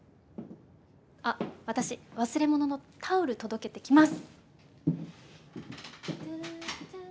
あっ私忘れ物のタオル届けてきます！